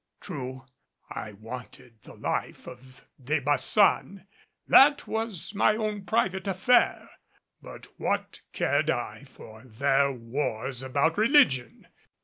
True, I wanted the life of De Baçan that was my own private affair. But what cared I for their wars about religion?